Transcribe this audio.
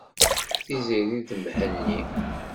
Tiziri d Mhenni.